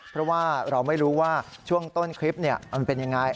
เพราะว่าเราไม่รู้ว่าช่วงต้นคลิปมันเป็นยังไง